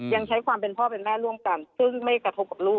ยังใช้ความเป็นพ่อเป็นแม่ร่วมกันซึ่งไม่กระทบกับลูก